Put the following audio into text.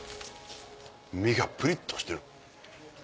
身がプリっとしてる。